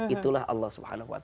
itulah allah swt